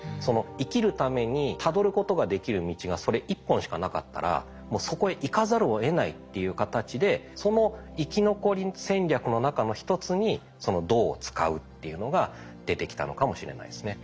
生きるためにたどることができる道がそれ一本しかなかったらもうそこへ行かざるをえないっていう形でその生き残り戦略の中の一つに銅を使うっていうのが出てきたのかもしれないですね。